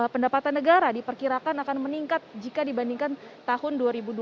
pendapatan negara diperkirakan akan meningkat jika dibandingkan tahun dua ribu dua puluh